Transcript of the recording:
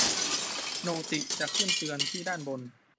โนติจะขึ้นเตือนที่ด้านบน